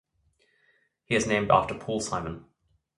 He is named after Paul Simon.